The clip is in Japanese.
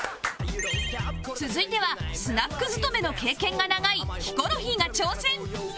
続いてはスナック勤めの経験が長いヒコロヒーが挑戦